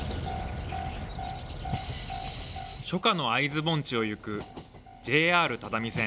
初夏の会津盆地を行くＪＲ只見線。